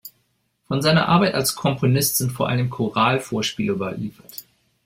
Von seiner Arbeit als Komponist sind vor allem Choralvorspiele überliefert.